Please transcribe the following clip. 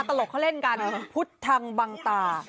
เชอรี่หายไปแล้วนะ